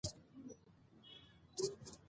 د شېخ ملي اصلي نوم شېخ ادم ملي ؤ.